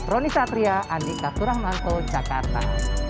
roni satria andika suramanto jakarta